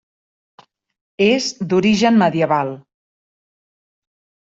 És d'origen medieval.